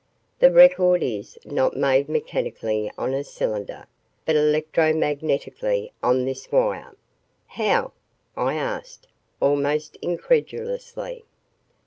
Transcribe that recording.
The record is not made mechanically on a cylinder, but electromagnetically on this wire." "How?" I asked, almost incredulously.